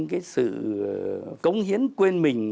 cái sự cống hiến quên mình